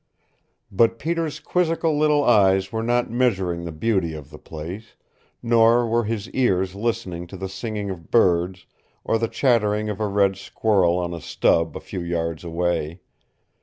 But Peter's quizzical little eyes were not measuring the beauty of the place, nor were his ears listening to the singing of birds, or the chattering of a red squirrel on a stub a few yards away.